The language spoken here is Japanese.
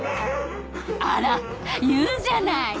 あら言うじゃない！